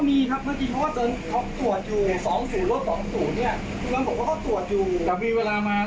มีประโยทธ์ไหมเครื่องเสียงกับผม